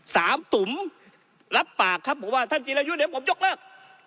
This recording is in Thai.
สามตุ๋มรับปากครับบอกว่าท่านจิรายุเดี๋ยวผมยกเลิก